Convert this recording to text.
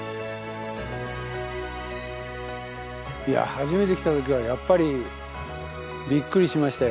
初めて来た時はやっぱりびっくりしましたよ。